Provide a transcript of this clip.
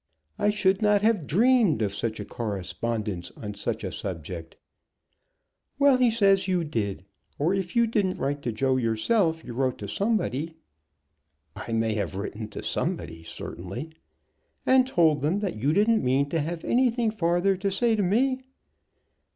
I should not have dreamed of such a correspondence on such a subject." "Well, he says you did. Or, if you didn't write to Joe himself, you wrote to somebody." "I may have written to somebody, certainly." "And told them that you didn't mean to have anything farther to say to me?"